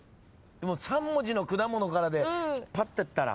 ３文字の果物から引っ張ってったら？